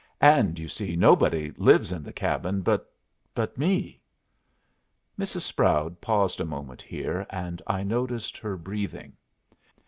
And, you see, nobody lives in the cabin but but me." Mrs. Sproud paused a moment here, and I noticed her breathing.